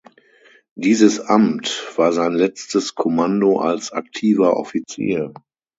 Dieses Amt war sein letztes Kommando als aktiver Offizier.